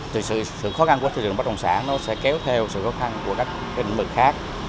thì sự khó khăn của thị trường bất đồng sản sẽ kéo theo sự khó khăn của các hình mực khác